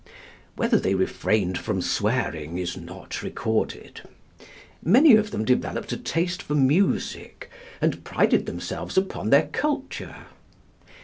Whether they refrained from swearing is not recorded. Many of them developed a taste for music, and prided themselves upon their culture.